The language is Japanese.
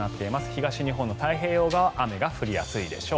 東日本の太平洋側雨が降りやすいでしょう。